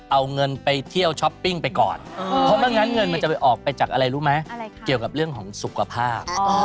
เอาเงินไปเที่ยวช้อปปิ้งไปก่อนเพราะไม่งั้นเงินมันจะไปออกไปจากอะไรรู้ไหมเกี่ยวกับเรื่องของสุขภาพ